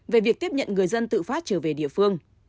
về việc tiếp nhận người dân tự phát trở về địa phương